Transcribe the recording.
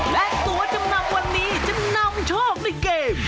และตัวจำนำวันนี้จะนำโชคในเกม